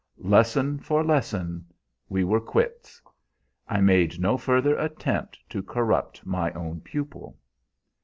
Lesson for lesson we were quits. I made no further attempt to corrupt my own pupil.